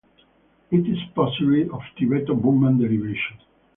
It is possibly of Tibeto-Burman derivation.